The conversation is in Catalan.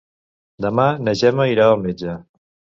Demà na Gemma irà al metge.